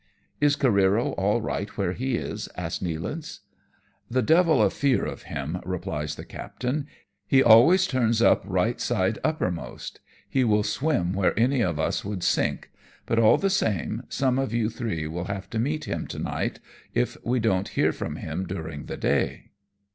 "Is Careero all right where he is?" asks Nealance. " The devil a fear of him," replies the captain, " he always turns up right side uppermost. He will swim where any of us would sink ; but all the same, soine of you three will have to meet him to night if we don't hear from him during the day."